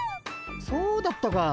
そうだったか。